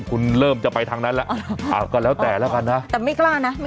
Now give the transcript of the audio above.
คุณเริ่มจะไปทางนั้นแล้วก็แล้วแต่แล้วกันนะแต่ไม่กล้านะ